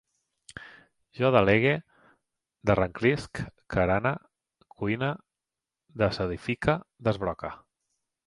Jo delegue, derrenclisc, carene, cuine, desacidifique, desbroque